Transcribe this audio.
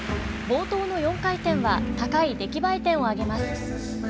冒頭の４回転は、高い出来栄え点を上げます。